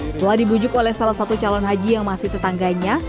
setelah dibujuk oleh salah satu calon haji yang masih tetangganya